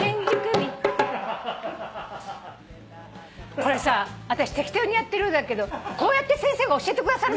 これさ私適当にやってるようだけどこうやって先生が教えてくださる。